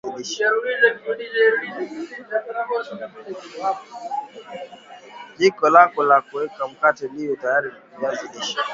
jiko lako la kuokea mkate liwe tayariwa viazi lishe